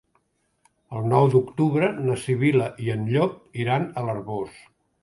El nou d'octubre na Sibil·la i en Llop iran a l'Arboç.